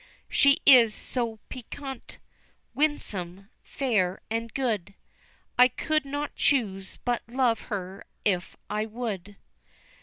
She is so piquant, winsome, fair, and good, I could not choose but love her if I would.